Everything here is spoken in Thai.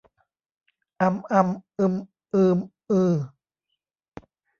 อัม อำ อึม อืม อือ